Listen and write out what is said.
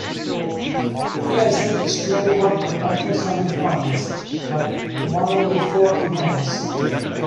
He has reached twenty-one professional semi-finals, but won only four events.